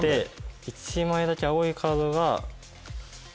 １枚だけ青いカードが。